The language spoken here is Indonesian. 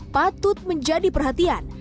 patut menjadi perhatian